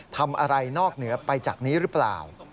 ทำอะไรนอกเหนือไปจากนี้หรือเปล่า